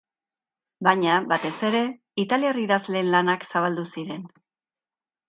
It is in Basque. Baina, batez ere, italiar idazleen lanak zabaldu ziren.